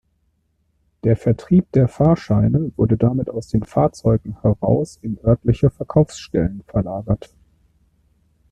Der Vertrieb der Fahrscheine wurde damit aus den Fahrzeugen heraus in örtliche Verkaufsstellen verlagert.